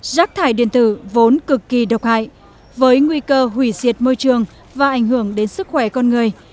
rác thải điện tử vốn cực kỳ độc hại với nguy cơ hủy diệt môi trường và ảnh hưởng đến sức khỏe con người